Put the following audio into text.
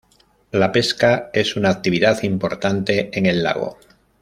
La pesca es una actividad importante en el lago.